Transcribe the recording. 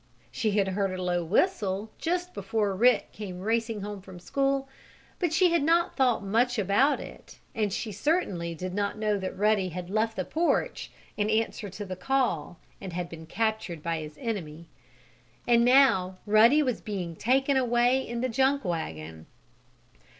She had heard a low whistle, just before Rick came racing home from school, but she had not thought much about it, and she certainly did not know that Ruddy had left the porch, in answer to the call, and had been captured by his enemy. And now Ruddy was being taken away in the junk wagon.